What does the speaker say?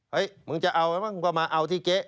เฮ้ยมึงจะเอาไหมมึงก็มาเอาที่เก๊